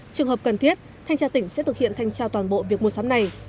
trường hợp cần thiết thanh tra tỉnh sẽ thực hiện thanh tra toàn bộ việc mua sắm này